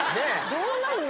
どうなるの？